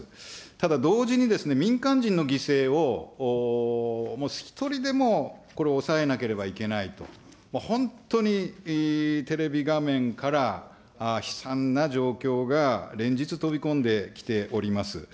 ただ同時にですね、民間人の犠牲をもう１人でも、これを抑えなければいけないと、本当にテレビ画面から悲惨な状況が連日、飛び込んできております。